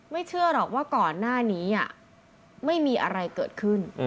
เชื่อหรอกว่าก่อนหน้านี้ไม่มีอะไรเกิดขึ้น